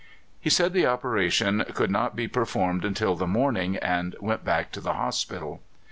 "He said the operation could not be performed until the morning, and went back to the hospital.